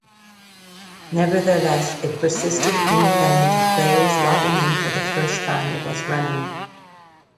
Nevertheless, it persisted independent of players logging in for the time it was running.